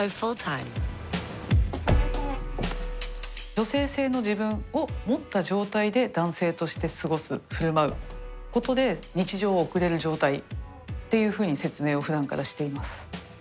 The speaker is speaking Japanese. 女性性の自分を持った状態で男性として過ごす振る舞うことで日常を送れる状態っていうふうに説明をふだんからしています。